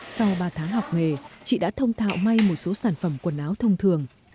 sau ba tháng học nghề chị đã thông thạo may một số sản phẩm quần áo thông thường